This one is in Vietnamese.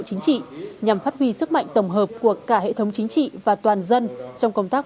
chính trị nhằm phát huy sức mạnh tổng hợp của cả hệ thống chính trị và toàn dân trong công tác